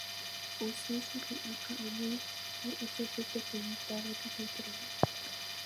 osẽsapy'a ka'aguýgui ha ojuhu peteĩ táva tuichaitereíva